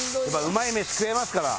うまい飯食えますから！